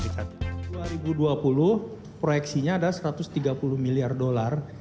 dua ribu dua puluh proyeksinya ada satu ratus tiga puluh miliar dolar